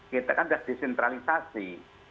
kita kan sudah disentralisasi